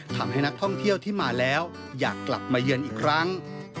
ทำให้นักท่องเที่ยวที่มาแล้วอยากกลับมาเยือนอีกครั้ง